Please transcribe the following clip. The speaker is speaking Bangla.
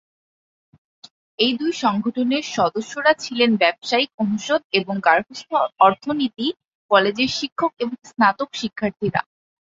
এই দুই সংগঠনের সদস্যরা ছিলেন ব্যবসায়িক অনুষদ এবং গার্হস্থ্য অর্থনীতি কলেজের শিক্ষক এবং স্নাতক শিক্ষার্থীরা।